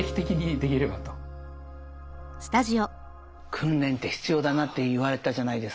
訓練って必要だなって言われたじゃないですか。